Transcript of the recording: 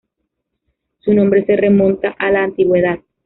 Su nombre se remonta a la antigüedad.